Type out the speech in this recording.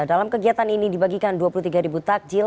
dalam kegiatan ini dibagikan dua puluh tiga takjil